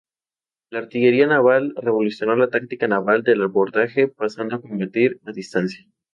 La artillería naval revolucionó la táctica naval del abordaje pasando a combatir a distancia.